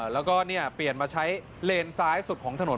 แล้วก็เปลี่ยนมาใช้เลนซ้ายสุดของถนน